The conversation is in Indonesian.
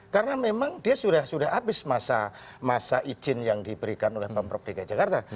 karena memang dia sudah habis masa izin yang diberikan oleh pemprov dg jakarta